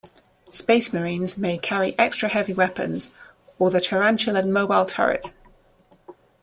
Space marines may carry extra heavy weapons or the tarantula mobile turret.